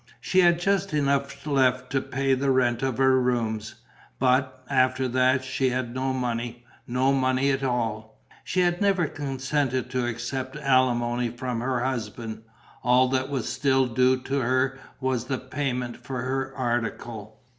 She had just enough left to pay the rent of her rooms. But, after that, she had no money, no money at all. She had never consented to accept alimony from her husband. All that was still due to her was the payment for her article.